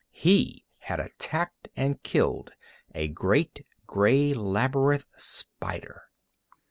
He had attacked and killed a great gray labyrinth spider.